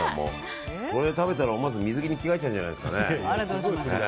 これ食べたら、思わず水着に着替えちゃうんじゃないですかね。